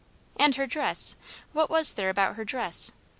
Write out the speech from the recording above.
And her dress; what was there about her dress?